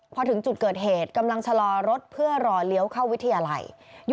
พอถึงจุดเกิดเหตุกำลังชะลอรถเพื่อรอเลี้ยวเข้าวิทยาลัย